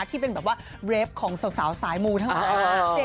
ที่เป็นแบบว่าเรฟของสาวสายมูทั้งหมด